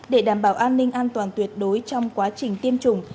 để đảm bảo an ninh an toàn tuyệt đối trong quá trình tiêm chủng